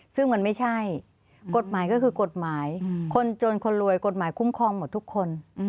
ซึ่งมันไม่ใช่กฎหมายก็คือกฎหมายคนจนคนรวยกฎหมายคุ้มครองหมดทุกคน